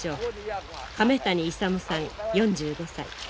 亀谷勇さん４５歳。